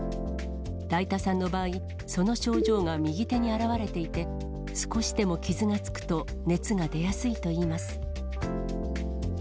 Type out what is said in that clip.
だいたさんの場合、その症状が右手に現れていて、少しでも傷がつくと熱が出やすいといいます。